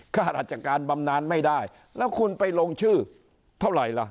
ข้าราชการบำนานไม่ได้แล้วคุณไปลงชื่อเท่าไหร่ล่ะ